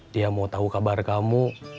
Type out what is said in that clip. dia mau tahu kabar kamu